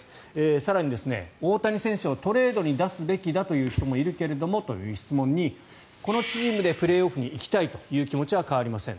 更に、大谷選手をトレードに出すべきだという人もいるけどもという質問に対しこのチームでプレーオフに行きたいという気持ちは変わりません。